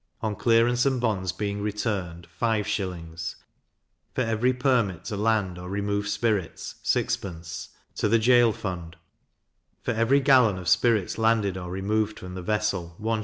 on clearance and bonds being returned 5s.; for every permit to land or remove spirits 6d. To the Gaol fund: For every gallon of spirits landed, or removed from the vessel, 1s.